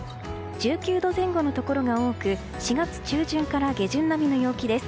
１９度前後のところが多く４月中旬から下旬並みの陽気です。